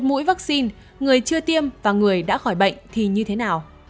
mũi vaccine người chưa tiêm và người đã khỏi bệnh thì như thế nào